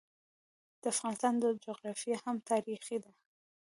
د افغانستان جغرافیه هم تاریخي ده.